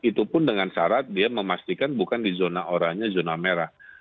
itu pun dengan syarat dia memastikan bukan di zona oranya zona merah